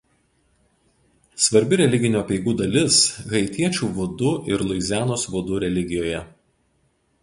Svarbi religinių apeigų dalis haitiečių vudu ir Luizianos vudu religijoje.